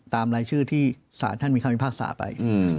ตามรายชื่อที่ท่านมีเข้าไปภาคศาสตร์ไป